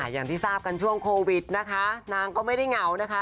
อย่างที่ทราบกันช่วงโควิดนะคะนางก็ไม่ได้เหงานะคะ